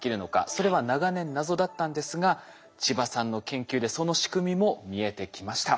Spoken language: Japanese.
それは長年謎だったんですが千葉さんの研究でその仕組みも見えてきました。